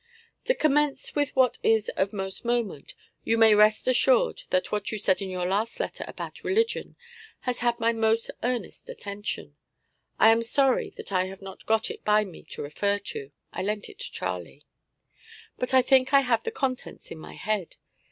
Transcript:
To commence with what is of most moment, you may rest assured that what you said in your last letter about religion has had my most earnest attention. I am sorry that I have not got it by me to refer to (I lent it to Charlie), but I think I have the contents in my head.